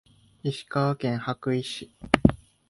石川県羽咋市